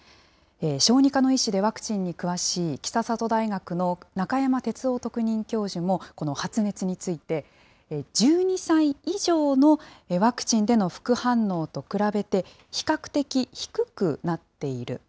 小児科の医師でワクチンに詳しい北里大学の中山哲夫特任教授も、この発熱について、１２歳以上のワクチンでの副反応と比べて比較的低くなっている。